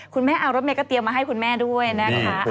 คุณแม่เอารถเมย์ก็เตรียมมาให้คุณแม่ด้วยนะคะ